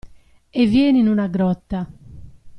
E vieni in una grotta.